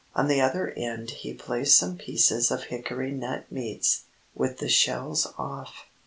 On the other end he placed some pieces of hickory nut meats, with the shells off.